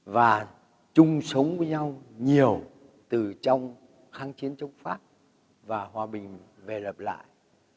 và chung sống với nhau nhiều từ trong kháng chiến chống pháp và hòa bình về lập lại